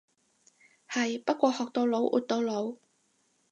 係，不過學到老活到老。